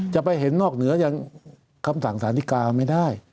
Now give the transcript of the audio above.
จะไปเห็นนอกเหนือยังคำสั่งสารธิกาไม่ได้